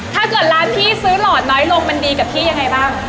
ถ้าเกิดร้านพี่ซื้อหลอดน้อยลงมันดีกับพี่ยังไงบ้าง